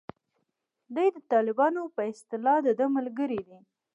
دوی د طالبانو په اصطلاح دده ملګري دي.